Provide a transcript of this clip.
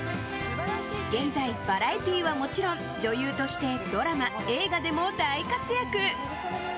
現在、バラエティーはもちろん女優としてドラマ、映画でも大活躍。